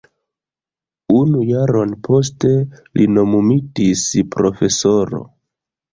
Unu jaron poste li nomumitis profesoro.